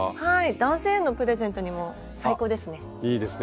男性へのプレゼントにも最高ですね。